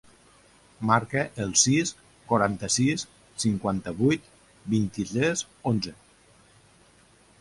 Marca el sis, quaranta-sis, cinquanta-vuit, vint-i-tres, onze.